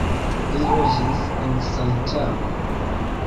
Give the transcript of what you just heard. Li loĝis en Saitama.